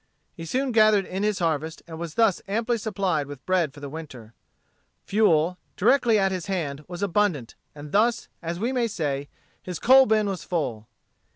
He soon gathered in his harvest, and was thus amply supplied with bread for the winter. Fuel, directly at his hand, was abundant, and thus, as we may say, his coal bin was full.